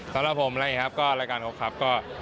สำหรับผมอะไรอย่างนี้รายการครอบครับ